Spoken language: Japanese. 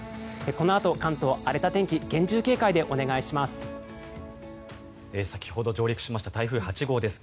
このあと、関東、荒れた天気厳重警戒でお願いします。